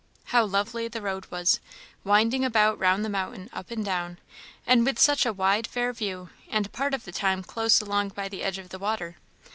How lovely the road was, "winding about round the mountain, up and down," and with such a wide fair view, and "part of the time close along by the edge of the water."